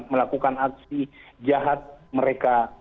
melakukan aksi jahat mereka